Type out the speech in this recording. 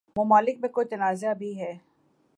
ممالک میں کوئی تنازع بھی ہے